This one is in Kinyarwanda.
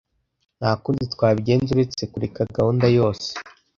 Nta kundi twabigenza uretse kureka gahunda yose.